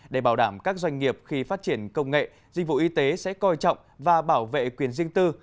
để bảo đảm các doanh nghiệp khi phát triển công nghệ dịch vụ y tế sẽ coi trọng và bảo vệ quyền riêng tư